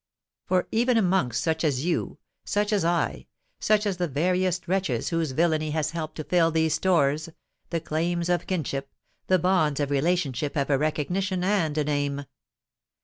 For even amongst such as you—such as I—such as the veriest wretches whose villany has helped to fill these stores,—the claims of kinship—the bonds of relationship have a recognition and a name.